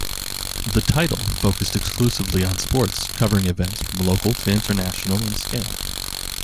"The Title" focused exclusively on sports, covering events from local to international in scale.